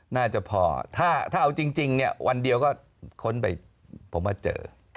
ถ้าเอาจริงวันเดียวก็ค้นไปผมว่าเจอ